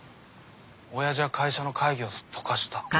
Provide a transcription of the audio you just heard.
親父は会社の会議をすっぽかした。